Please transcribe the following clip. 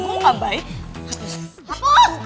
gue gak baik